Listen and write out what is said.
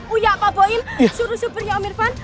uya apa boin suruh supirnya om irfan